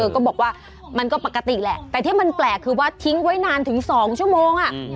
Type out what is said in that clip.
ก็บอกว่ามันก็ปกติแหละแต่ที่มันแปลกคือว่าทิ้งไว้นานถึง๒ชั่วโมง